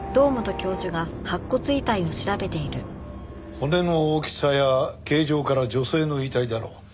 骨の大きさや形状から女性の遺体だろう。